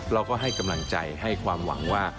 เราก็ให้กำลังใจให้ความหวังว่า